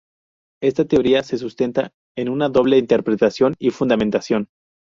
Esta teoría se sustenta en una doble interpretación y fundamentación.